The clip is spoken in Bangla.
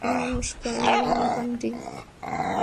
নমস্কার, ধানপান্ডি?